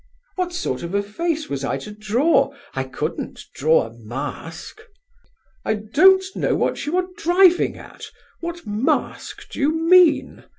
'" "What sort of a face was I to draw? I couldn't draw a mask." "I don't know what you are driving at; what mask do you mean?"